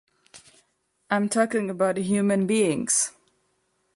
I'm talking about human beings!